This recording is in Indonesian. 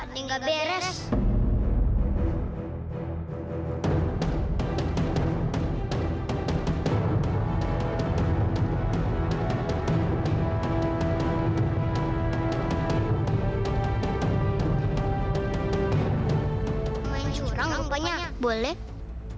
sepertinya ada yang gak beres